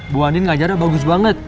bu andin ngajarin bagus banget